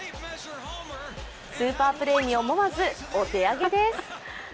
スーパープレーに思わずお手上げです。